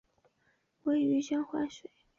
位于江淮分水岭到苏北平原过度地。